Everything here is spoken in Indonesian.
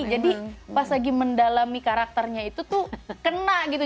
jadi pas lagi mendalami karakternya itu tuh kena gitu